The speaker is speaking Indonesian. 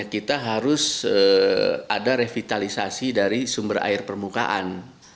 kita harus ada revitalisasi dari sumber air permukaan